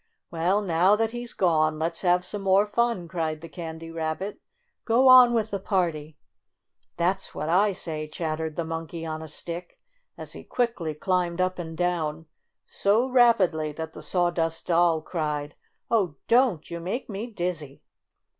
"Well, now that he's gone, let's have some more fun," cried the Candy Rabbit. "Go on with the party." "That's what I sayf f ' chattered the Monkey on a Stick, as he quickly climbed up and down, so rapidly that the Sawdust Doll cried :'' Oh, don 't ! You make me dizzy